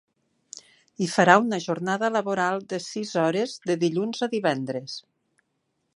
Hi farà una jornada laboral de sis hores de dilluns a divendres.